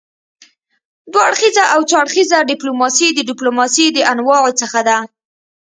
دوه اړخیزه او څو اړخیزه ډيپلوماسي د ډيپلوماسي د انواعو څخه دي.